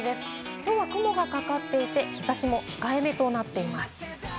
きょうは雲がかかっていて、日差しも控えめとなっています。